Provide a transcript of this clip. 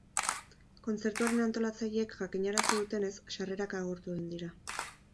Kontzertuaren antolatzaileek jakinarazi dutenez, sarrerak agortu egin dira.